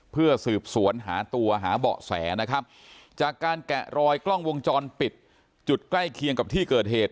เพื่อสืบสวนหาตัวหาเบาะแสนะครับจากการแกะรอยกล้องวงจรปิดจุดใกล้เคียงกับที่เกิดเหตุ